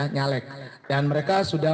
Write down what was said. nyalek dan mereka sudah